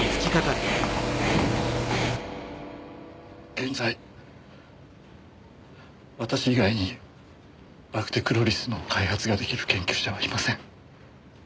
現在私以外にバクテクロリスの開発ができる研究者はいません。